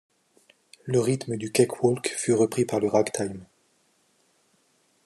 Le rythme du cake-walk fut repris par le ragtime.